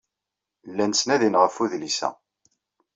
Llan ttnadin ɣef udlis-a.